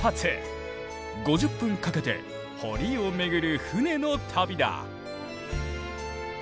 ５０分かけて堀を巡る船の旅だ。